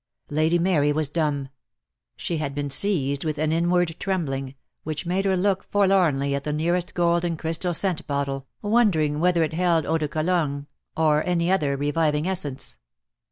Lady Mary was dumb. She had been seized with an inward trembling, which made her look for lornly at the nearest gold and crystal scent bottle, wondering whether it held eau de cologne, or any other reviving essence.